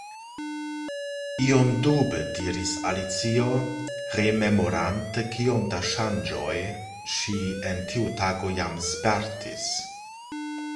Iom dube diris Alicio, rememorante kiom da ŝanĝoj ŝi en tiu tago jam spertis.